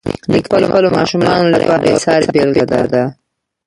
نیکه د خپلو ماشومانو لپاره یوه بېسارې بېلګه ده.